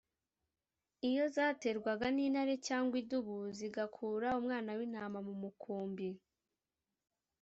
iyo zaterwaga n’intare cyangwa idubu zigakura umwana w’intama mu mukumbi